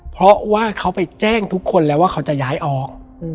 เพราะว่าเขาไปแจ้งทุกคนแล้วว่าเขาจะย้ายออก